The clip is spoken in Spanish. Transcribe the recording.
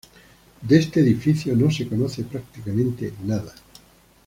De este edificio no se conoce prácticamente nada.